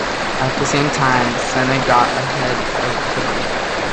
At the same time, Senna got ahead of Hill.